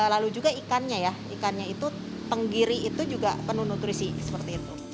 lalu juga ikannya ya ikannya itu tenggiri itu juga penuh nutrisi seperti itu